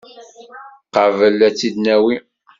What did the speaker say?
Qabel ad tt-id-nawi.